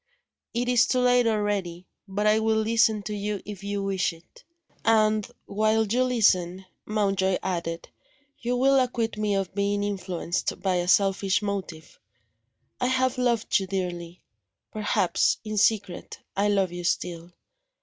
"It is too late already. But I will listen to you if you wish it." "And, while you listen," Mountjoy added, "you will acquit me of being influenced by a selfish motive. I have loved you dearly. Perhaps, in secret, I love you still.